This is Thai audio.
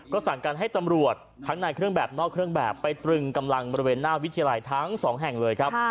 ก็สั่งการให้ตำรวจทั้งในเครื่องแบบนอกเครื่องแบบไปตรึงกำลังบริเวณหน้าวิทยาลัยทั้งสองแห่งเลยครับ